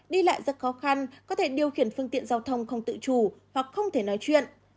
đi lại rất khó khăn có thể điều khiển phương tiện giao thông không tự chủ hoặc không thể nói chuyện